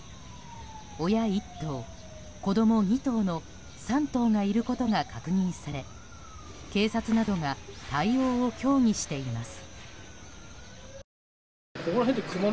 親１頭、子供２頭の３頭がいることが確認され警察などが対応を協議しています。